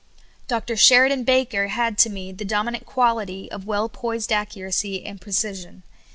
Dr. Sheridan Baker had to me the dominant qual ity of well poised accuracy and precision.